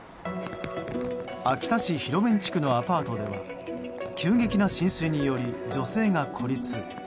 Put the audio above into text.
秋田市広面地区のアパートでは急激な浸水により女性が孤立。